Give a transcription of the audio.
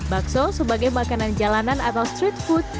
bakso sebagai makanan jalanan atau street food